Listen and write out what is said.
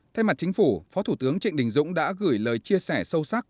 thay mặt chính phủ phó thủ tướng trịnh đình dũng đã gửi lời chia sẻ sâu sắc